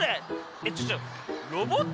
えっちょっちょロボットでしょ？